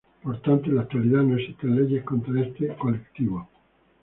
Por tanto, en la actualidad no existen leyes contra este colectivo.